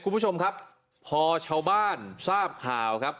คุณผู้ชมครับพอชาวบ้านทราบข่าวครับ